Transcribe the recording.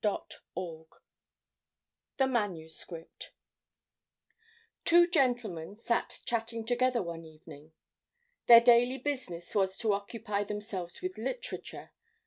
Otto Larssen The Manuscript Two gentlemen sat chatting together one evening. Their daily business was to occupy themselves with literature.